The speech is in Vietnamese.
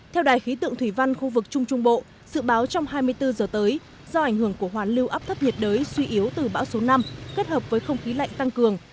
theo đài khí tượng thủy văn khu vực trung trung bộ dự báo trong hai mươi bốn giờ tới do ảnh hưởng của hoàn lưu áp thấp nhiệt đới suy yếu từ bão số năm kết hợp với không khí lạnh tăng cường